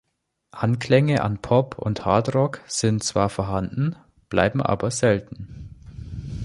Anklänge an Pop und Hard Rock sind zwar vorhanden, bleiben aber selten.